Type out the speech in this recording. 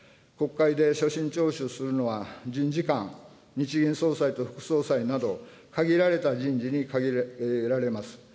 国会で所信聴取するのは、人事官、日銀総裁と副総裁など、限られた人事に限られます。